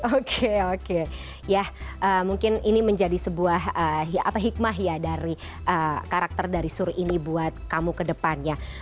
oke oke ya mungkin ini menjadi sebuah hikmah ya dari karakter dari suri ini buat kamu ke depannya